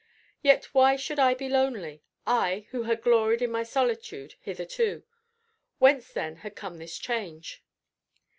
Yet why should I be lonely; I, who had gloried in my solitude hitherto? Whence then had come this change?